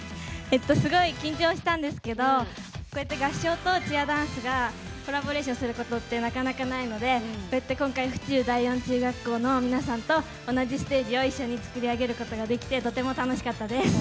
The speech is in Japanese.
すごい緊張したんですけど合唱とチアダンスがコラボレーションすることってなかなか、ないので今回、府中第四中学校の皆さんと同じステージを一緒に作り上げることができてとても楽しかったです。